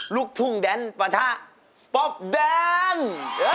ลูกทุ่งแดนปะทะป๊อปแดน